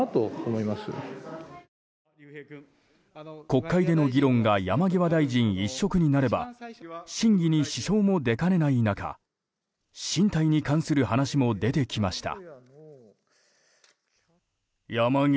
国会での議論が山際大臣一色になれば審議に支障も出かねない中進退に関する話も出てきました。